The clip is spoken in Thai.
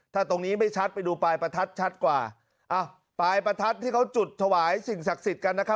ถ้าตรงนี้ไม่ชัดไปดูปลายประทัดชัดกว่าอ้าวปลายประทัดที่เขาจุดถวายสิ่งศักดิ์สิทธิ์กันนะครับ